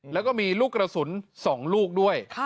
แล้วก็มีลูกกระสุน๒ลูกด้วย